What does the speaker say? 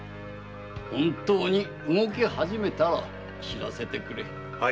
本当に動き始めたら報せてくれ。